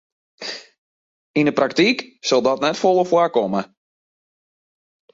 Yn 'e praktyk sil dat net folle foarkomme.